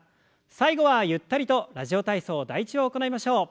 最後はゆったりと「ラジオ体操第１」を行いましょう。